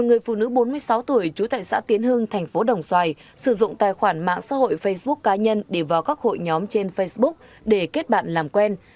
người trú tại xã tiến hương thành phố đồng xoài sử dụng tài khoản mạng xã hội facebook cá nhân để vào các hội nhóm trên facebook để kết bạn làm quen